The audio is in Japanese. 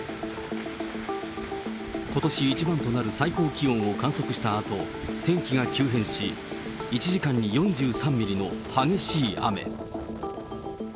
ことし一番となる最高気温を観測したあと、天気が急変し、１時間に４３ミリの激しい雨。